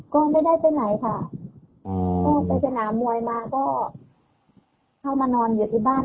ก็ไม่ได้ไปไหนค่ะก็ไปสนามมวยมาก็เข้ามานอนอยู่ที่บ้าน